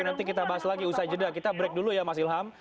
nanti kita bahas lagi usai jeda kita break dulu ya mas ilham